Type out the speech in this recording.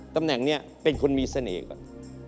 ตำแหน่งนี้เป็นคนมีเสน่ห์ก่อน